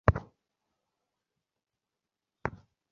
ব্যাক্তিগতভাবে music প্রদর্শনের জন্য বিভিন্ন সুযোগ-সুবিধা দেওয়া হয়।